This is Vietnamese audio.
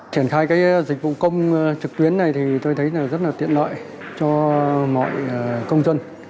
triển khai dịch vụ công trực tuyến này tôi thấy rất là tiện lợi cho mọi công dân